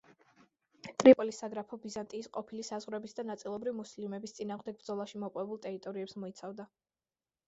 ტრიპოლის საგრაფო ბიზანტიის ყოფილი საზღვრების და ნაწილობრივ მუსლიმების წინააღმდეგ ბრძოლაში მოპოვებულ ტერიტორიებს მოიცავდა.